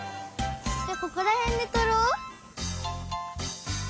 ここらへんでとろう。